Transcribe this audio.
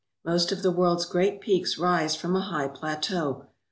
Most of the world's great peaks rise from a high plateau.